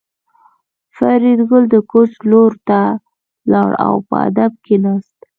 فریدګل د کوچ لور ته لاړ او په ادب کېناست